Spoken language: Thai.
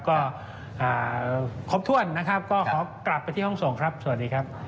ก็ครบถ้วนนะครับก็ขอกลับไปที่ห้องส่งครับสวัสดีครับ